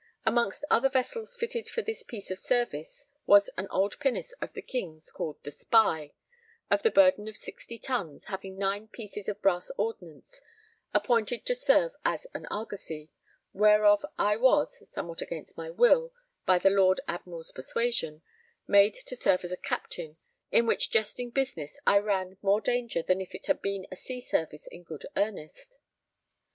Amongst other vessels fitted for this piece of service was an old pinnace of the King's called the Spy, of the burden of 60 tons, having 9 pieces of brass ordnance, appointed to serve as an Argosy, whereof I was (somewhat against my will, by the Lord Admiral's persuasion) made to serve as a Captain, in which jesting business I ran more danger than if it had been a sea service in good earnest.